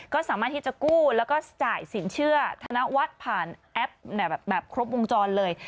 ก็สามารถที่จะกู้แล้วก็จ่ายสินเชื่อธนวัฒน์ผ่านแอปแบบครบวงจรเลย